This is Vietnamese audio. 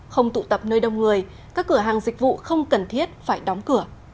không tụ tập nơi đông người các cửa hàng dịch vụ không cần thiết phải đóng cửa